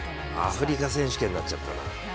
アフリカ選手権になっちゃったな。